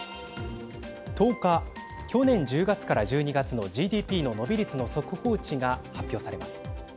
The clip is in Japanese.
１０日、去年１０月から１２月のＧＤＰの伸び率の速報値が発表されます。